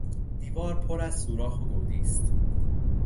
دیوار پر از سوراخ و گودی است.